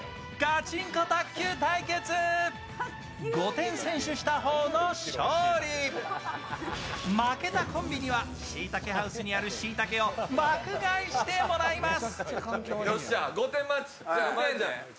千葉県にある東京ドイツ村で負けたコンビにはしいたけハウスにあるしいたけを爆買いしてもらいます。